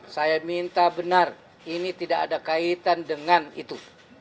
saya minta benar ini tidak ada kaitan dengan itu